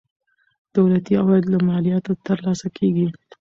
دولتي عواید له مالیاتو ترلاسه کیږي.